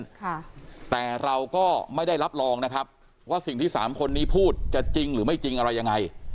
ค่ะแต่เราก็ไม่ได้รับรองนะครับว่าสิ่งที่สามคนนี้พูดจะจริงหรือไม่จริงอะไรยังไง